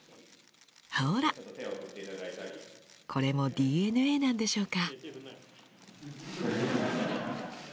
ほらこれもＤＮＡなんでしょうか